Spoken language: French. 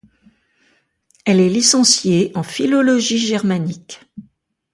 Elle est licenciée en philologie germanique.